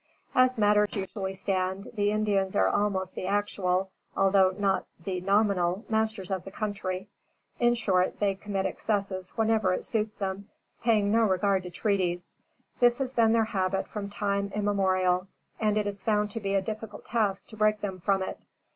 As matters usually stand, the Indians are almost the actual, although not the nominal, masters of the country. In short, they commit excesses whenever it suits them, paying no regard to treaties. This has been their habit from time immemorial, and it is found to be a difficult task to break them from it.